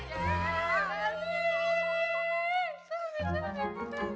kenapa lu tinggalin gue